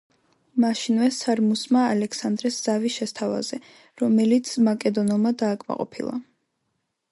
მაშინვე სარმუსმა ალექსანდრეს ზავი შესთავაზე, რომელიც მაკედონელმა დააკმაყოფილა.